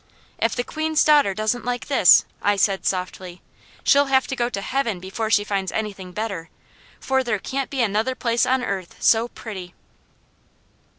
"If the Queen's daughter doesn't like this," I said softly, "she'll have to go to Heaven before she finds anything better, for there can't be another place on earth so pretty."